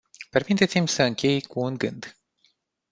Permiteți-mi să închei cu un gând.